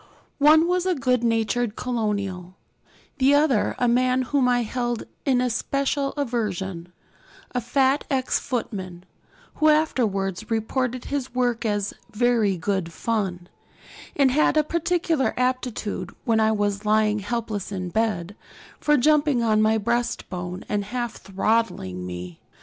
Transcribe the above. One was the good natured colonial; the other a man whom I held in especial aversion, a fat ex footman, who afterwards reported his work as 'very good fun,' and had a particular aptitude, when I was lying helpless in bed, for jumping on my breastbone and half throttling me.